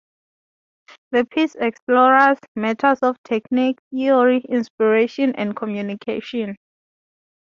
The piece explores, matters of technique, theory, inspiration, and communication.